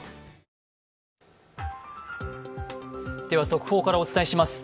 速報からお伝えします。